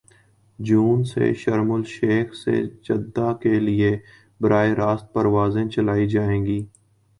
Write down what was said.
جون سے Sharm el Sheikh سے Jeddah کے لیے براہ راست پروازیں چلائی جائیں گی